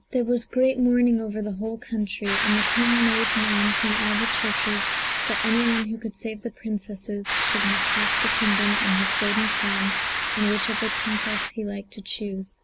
] There was great mourning over the whole country, and the King made known from all the churches that any one who could save the Princesses should have half the kingdom and his golden crown and whichever princess he liked to choose.